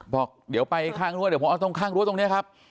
บอกเดี๋ยวไปข้างด้วยผมเอาข้างด้วยตรงนี้ครับ